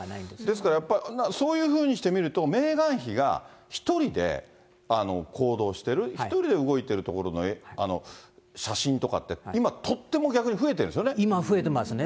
ですからやっぱり、そういうふうにしてみると、メーガン妃が１人で行動してる、１人で動いてるところの写真とかって、今、と今、増えてますね。